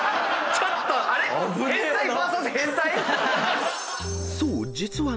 ちょっとあんま。